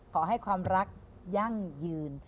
ขอให้ความรักยั่งยืน